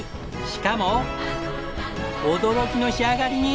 しかも驚きの仕上がりに！